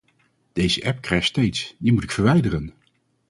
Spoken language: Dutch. Deze app crasht steeds, die moet ik verwijderen.